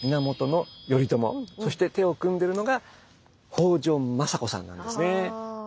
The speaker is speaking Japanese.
そして手を組んでるのが北条政子さんなんですね。